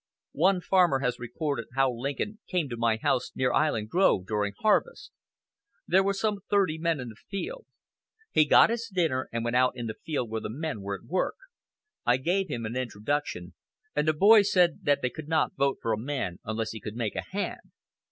One farmer has recorded how Lincoln "came to my house near Island Grove during harvest. There were some thirty men in the field. He got his dinner, and went out in the field where the men were at work. I gave him an introduction, and the boys said that they could not vote for a man unless he could make a hand.